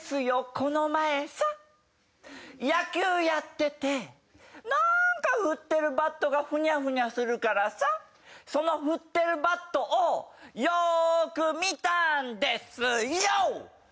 この前さ野球やっててなんか振ってるバットがフニャフニャするからさその振ってるバットをよーく見たんですｙｏ！